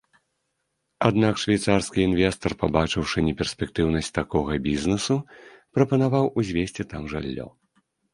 Аднак швейцарскі інвестар, пабачыўшы неперспектыўнасць такога бізнэсу, прапанаваў узвесці там жыллё.